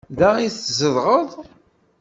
Da i tzedɣeḍ?